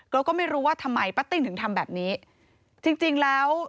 เราก็ไม่รู้ว่าทำไมป้าติ้งถึงทำแบบนี้จริงจริงแล้ว